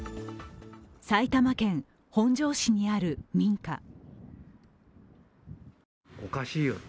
埼玉県本庄市にある民家。